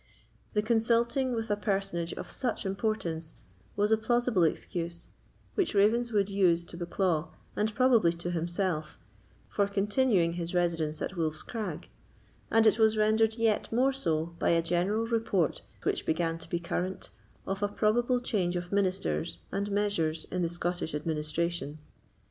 The consulting with a personage of such importance was a plausible excuse, which Ravenswood used to Bucklaw, and probably to himself, for continuing his residence at Wolf's Crag; and it was rendered yet more so by a general report which began to be current of a probable change of ministers and measures in the Scottish administration.